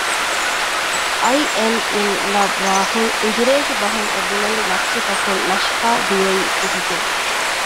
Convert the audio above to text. އައި އެމް އިން ލަވް ރާހުލް އިނގިރޭސި ބަހުން އެ ބުނެލި ލަފްޒުތަކުން ނަޝްފާ ދިއައީ ސިހިގެން